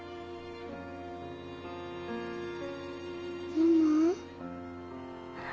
ママ？